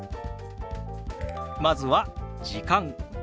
まずは「時間」。